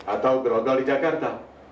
atau gerogol di jakarta